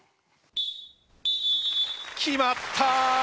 決まった！